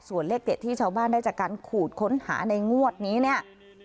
ส่วนเลขเด็ดที่ชาวบ้านได้จากการขูดค้นหาในงวดนี้เนี่ย